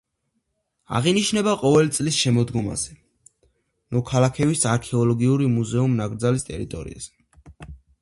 აღინიშნება ყოველი წლის შემოდგომაზე, ნოქალაქევის არქეოლოგიური მუზეუმ-ნაკრძალის ტერიტორიაზე.